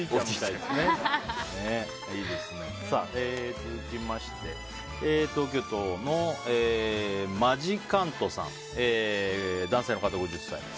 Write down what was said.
続きまして東京都の男性、５０歳の方。